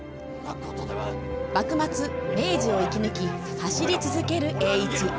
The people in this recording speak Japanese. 幕末、明治を生き抜き走り続ける栄一。